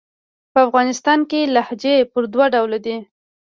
په افغانستان کښي لهجې پر دوه ډوله دي.